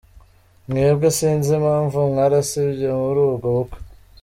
Mwebwe sinzi impamvu mwarasibye muri ubwo bukwe.